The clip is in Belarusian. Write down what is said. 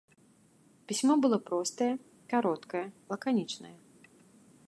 Пісьмо было простае, кароткае, лаканічнае.